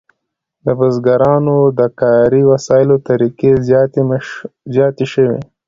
د بزګرانو د کاري وسایلو طریقې زیاتې شوې.